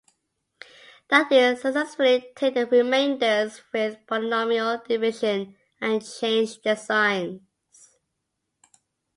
That is, successively take the remainders with polynomial division and change their signs.